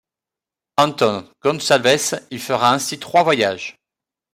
Antão Gonçalves y fera ainsi trois voyages.